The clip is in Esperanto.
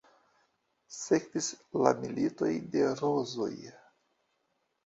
Sekvis la Militoj de Rozoj.